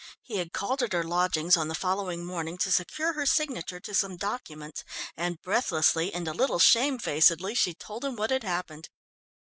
He had called at her lodgings on the following morning to secure her signature to some documents, and breathlessly and a little shamefacedly, she told him what had happened.